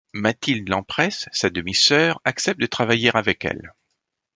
Mathilde l'Emperesse, sa demi-sœur accepte de travailler avec elle.